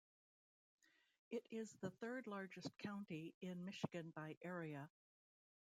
It is the third-largest county in Michigan by area.